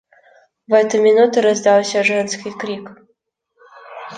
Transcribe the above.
В эту минуту раздался женский крик.